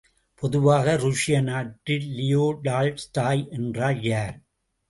பொதுவாக ருஷ்ய நாட்டில் லியோடால்ஸ்டாய் என்றால் யார்?